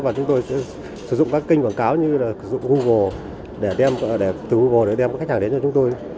và chúng tôi sẽ sử dụng các kênh quảng cáo như google để đem khách hàng đến cho chúng tôi